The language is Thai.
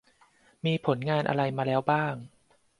มีผลงานอะไรมาแล้วบ้าง